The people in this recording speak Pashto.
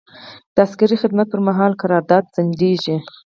د عسکري خدمت پر مهال قرارداد ځنډیږي.